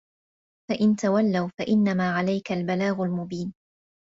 فإن تولوا فإنما عليك البلاغ المبين